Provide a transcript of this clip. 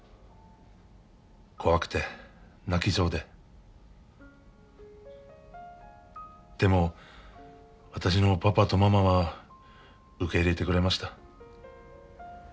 怖くて泣きそうででも私のパパとママは受け入れてくれました。